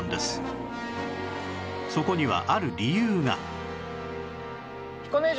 そこにはある理由が